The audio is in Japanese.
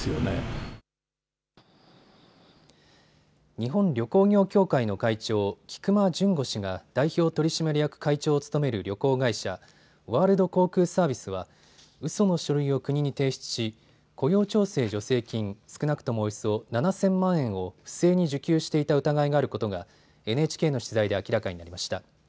日本旅行業協会の会長、菊間潤吾氏が代表取締役会長を務める旅行会社、ワールド航空サービスはうその書類を国に提出し雇用調整助成金、少なくともおよそ７０００万円を不正に受給していた疑いがあることがＮＨＫの取材で明らかになりました。